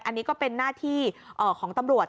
อันนี้ก็เป็นหน้าที่ของตำรวจ